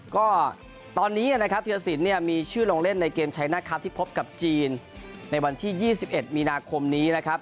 ก็ตอนนี้นะครับธิรสินเนี่ยมีชื่อลงเล่นในเกมใช้นะครับที่พบกับจีนในวันที่๒๑มีนาคมนี้นะครับ